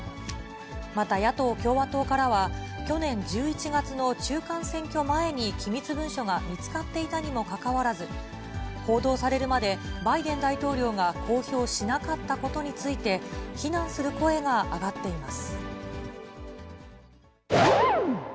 また野党・共和党からは、去年１１月の中間選挙前に機密文書が見つかっていたにもかかわらず、報道されるまで、バイデン大統領が公表しなかったことについて、非難する声が上がっています。